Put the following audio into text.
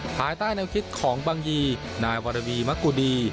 ภายใต้ในวิทย์ของบางยีนายวารวีมะกูดี